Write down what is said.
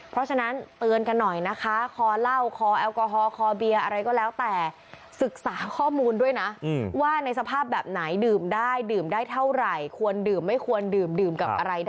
เพราะฉะนั้นเตือนกันหน่อยนะคะ